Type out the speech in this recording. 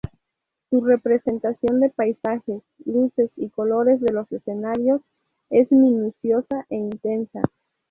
Su representación de paisajes, luces y colores de los escenarios es minuciosa e intensa.